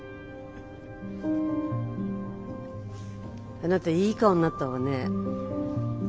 あなたいい顔になったわね。